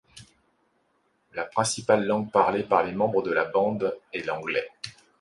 La principale langue parlée par les membres de la bande est l'anglais.